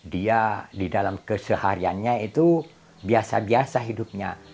dia di dalam kesehariannya itu biasa biasa hidupnya